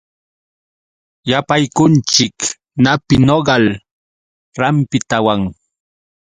Yapaykunchik napi nogal rapintawan.